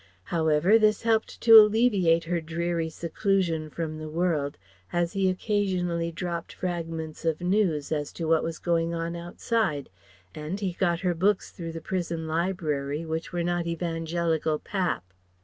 However this helped to alleviate her dreary seclusion from the world as he occasionally dropped fragments of news as to what was going on outside, and he got her books through the prison library that were not evangelical pap.